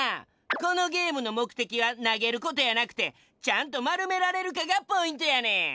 このゲームのもくてきはなげることやなくてちゃんとまるめられるかがポイントやねん。